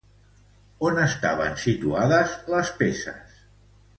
On estaven situades les peces?